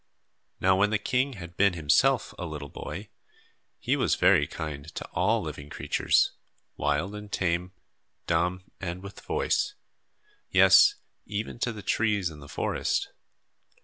Now when the king had been himself a little boy, he was very kind to all living creatures, wild and tame, dumb and with voice yes, even to the trees in the forest.